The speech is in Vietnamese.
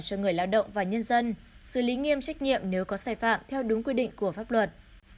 cho người lao động và nhân dân xử lý nghiêm trách nhiệm nếu có sai phạm theo đúng quy định của pháp luật